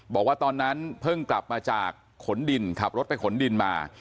บอกว่าตอนนั้นเพิ่งกลับมาจากขนดินขับรถไปขนดินมา